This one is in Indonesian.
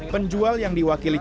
penjual yang diwakili cod